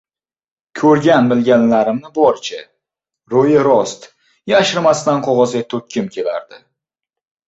Ko‘rgan-bilganlarimni boricha, ro‘yi rost, yashirmasdan qog‘ozga to‘kkim kelardi.